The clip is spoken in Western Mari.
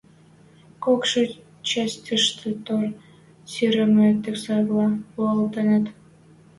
Кокшы частьышты тӧр сирӹмӹ текствлӓ пуалтыныт.